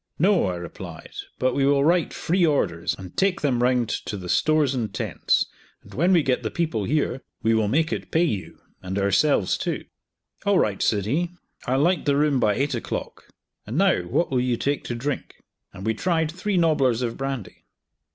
"No," I replied; "but we will write free orders, and take them round to the stores and tents, and when we get the people here, we will make it pay you and ourselves too." "All right," said he; "I'll light the room by eight o'clock; and now what will you take to drink?" and we tried three nobblers of brandy.